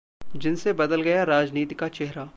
जिनसे बदल गया राजनीति का चेहरा